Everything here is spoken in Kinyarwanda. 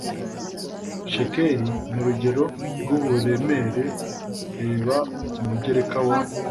shekeli ni urugero rw uburemere reba umugereka wa